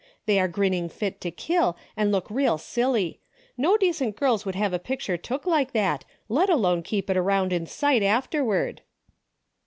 They are grinning fit to kill, and look real silly, decent girls would have a pic ture took like that, let alone keep it round in sight afterward."